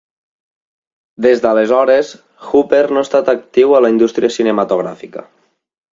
Des d'aleshores, Hooper no ha estat actiu a la indústria cinematogràfica.